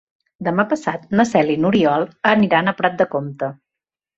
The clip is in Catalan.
Demà passat na Cel i n'Oriol aniran a Prat de Comte.